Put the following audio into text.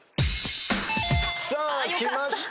さあきました